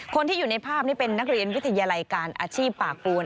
คนที่อยู่ในภาพนี้เป็นนักเรียนวิทยาลัยการอาชีพป่าปูน